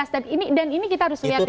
dan ini kita harus lihat ya